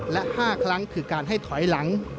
และ๕ครั้งคือการให้ถอยหลัง